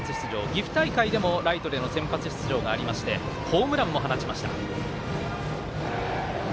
岐阜大会でもライトでの先発出場がありましてホームランも放ちました。